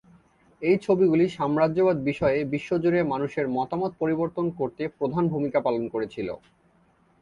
এই ছবিগুলি সাম্রাজ্যবাদ বিষয়ে বিশ্বজুড়ে মানুষের মতামত পরিবর্তন করতে প্রধান ভূমিকা পালন করেছিল।